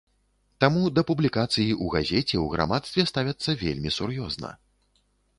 Таму да публікацый у газеце ў грамадстве ставяцца вельмі сур'ёзна.